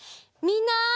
みんな！